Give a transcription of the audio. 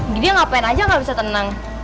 dia ngapain aja gak bisa tenang